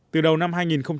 từ đầu năm hai nghìn hai mươi